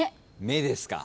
目ですか。